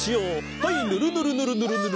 はいぬるぬるぬるぬる。